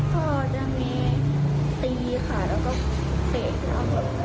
ก็จะมีตีค่ะแล้วก็เตะ